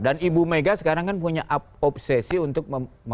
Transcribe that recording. dan ibu mega sekarang kan punya obsesi untuk